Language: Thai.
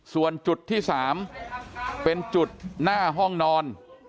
ส่วนจุดที่๓เป็นจุดหน้าห้องนอน